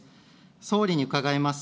総理に伺います。